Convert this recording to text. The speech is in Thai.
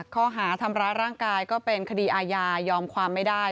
ข้อหาทำร้ายร่างกายก็เป็นคดีอาญายอมความไม่ได้